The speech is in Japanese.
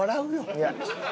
いや。